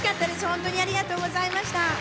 ほんとにありがとうございました。